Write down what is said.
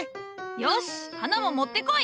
よし花も持ってこい！